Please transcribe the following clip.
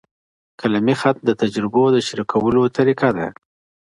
قلمي خط د تجربو د شریکولو طریقه ده.